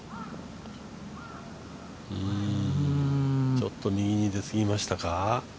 ちょっと右に出すぎましたか。